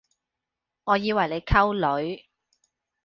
我以為你溝女